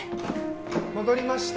戻りました。